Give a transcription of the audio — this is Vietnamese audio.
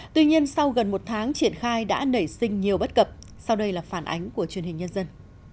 tuy nhiên sau gần một tháng triển khai đã nảy sinh nhiều bất cập sau đây là phản ánh của truyền hình nhân dân